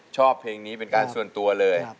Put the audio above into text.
ชอบเพลงนี้เป็นการส่วนตัวเลย